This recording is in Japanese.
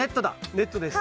ネットです。